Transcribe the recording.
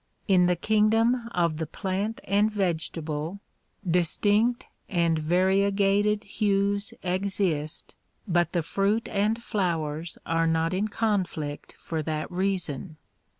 In the kingdom of the plant and vegetable, distinct and variegated hues exist but the fniit and flowers are not in conflict for that reason.